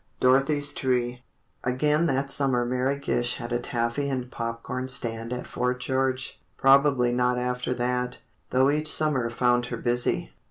X DOROTHY'S TREE Again that summer Mary Gish had a taffy and popcorn stand at Fort George. Probably not after that, though each summer found her busy.